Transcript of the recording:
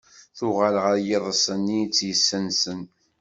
Tuɣal ɣer yiḍes-nni i tt-yessensen.